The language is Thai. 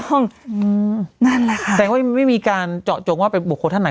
นั่นแหละค่ะแสดงว่ายังไม่มีการเจาะจงว่าเป็นบุคคลท่านไหน